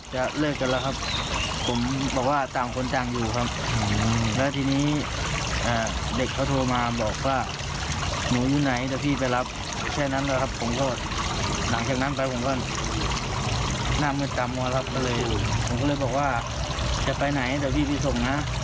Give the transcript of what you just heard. ผมก็เลยบอกว่าจะไปไหนเดี๋ยวพี่พี่ส่งนะ